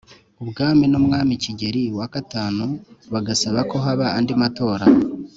ubwami n umwami Kigeri V bagasaba ko haba andi matora